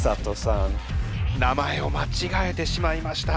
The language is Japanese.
名前をまちがえてしまいました。